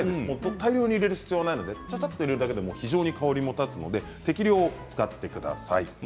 多量に入れる必要はないのでちょっと入れるだけでも香りが立つので、適量を使ってください。